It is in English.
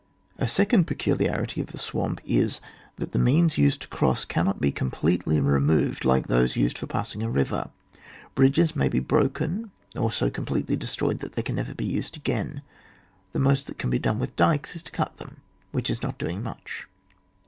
A second peculiarity of a swamp is, that the means used to cross cannot be completely removed like those used for passing a river ; bridges may be broken, or so completely destroyed that they can never be used again ; the most that can be done with dykes is to cut them, which is not doing much.